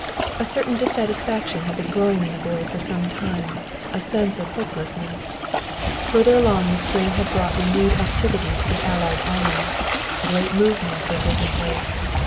A certain dissatisfaction had been growing in the boy for some time, a sense of hopelessness. Further along the spring had brought renewed activity to the Allied armies. Great movements were taking place.